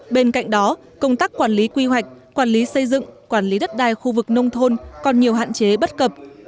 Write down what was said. bên cạnh đó công tác quản lý quy hoạch quản lý xây dựng quản lý đất đai khu vực nông thôn còn nhiều hạn chế bất cập